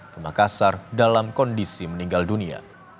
ke makassar dalam kondisi meninggal dunia